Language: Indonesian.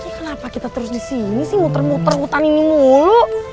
kenapa kita terus di sini sih muter muter hutan ini mulu